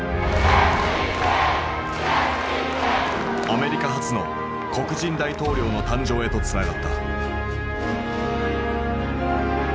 アメリカ初の黒人大統領の誕生へとつながった。